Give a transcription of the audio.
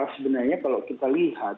sebenarnya kalau kita lihat